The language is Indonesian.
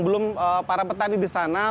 belum para petani di sana